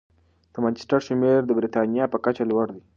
د مانچسټر شمېر د بریتانیا په کچه لوړ دی.